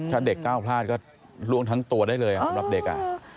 ถ้าเด็กก้าวพลาดก็ล่วงทั้งตัวได้เลยสำหรับเด็ก